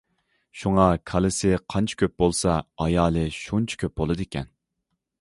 شۇڭا كالىسى قانچە كۆپ بولسا ئايالى شۇنچە كۆپ بولىدىكەن.